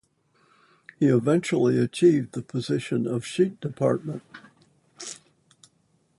He eventually achieved the position of sheet music department manager.